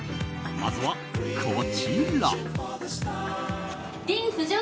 まずはこちら。